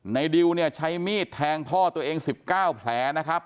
ดิวเนี่ยใช้มีดแทงพ่อตัวเอง๑๙แผลนะครับ